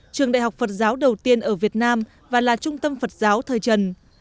trường đại học phật giáo đầu tiên ở việt nam và là trung tâm phật giáo thời trần